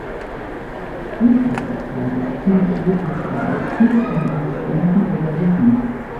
Untätigkeit ist viel schädlicher als viele von uns denken oder wissen.